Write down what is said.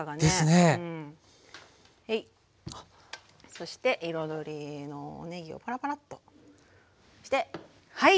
そして彩りのおねぎをパラパラッとしてはい！